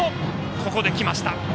ここで来ました。